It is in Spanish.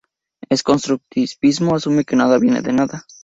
El constructivismo asume que nada viene de nada.